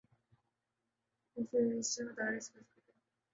یہ صرف رجسٹرڈ مدارس کا ذکر ہے۔